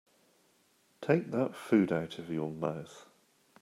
Take that food out of your mouth.